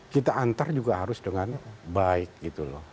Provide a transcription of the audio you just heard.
kita antar juga harus dengan baik gitu loh